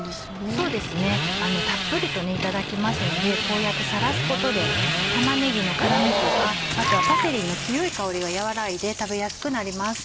そうですねたっぷりといただきますのでこうやってさらすことで玉ねぎの辛みとかあとはパセリの強い香りが和らいで食べやすくなります。